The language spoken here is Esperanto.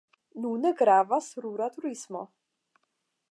Nune gravas rura turismo.